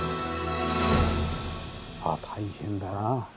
あ大変だな。